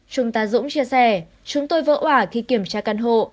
chúng ta dũng chia sẻ chúng tôi vỡ hỏa khi kiểm tra căn hộ